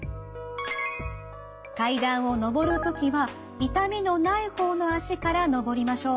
階段を上る時は痛みのない方の脚から上りましょう。